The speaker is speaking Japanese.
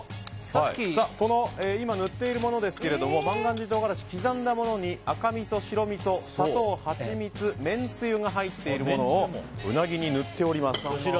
今、塗っているものですが万願寺とうがらしを刻んだものに赤みそ、白みそ、砂糖、ハチミツめんつゆが入っているものをうなぎに塗っております。